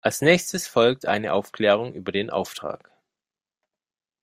Als Nächstes folgt eine Aufklärung über den Auftrag.